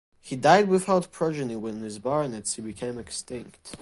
He died without progeny when his baronetcy became extinct.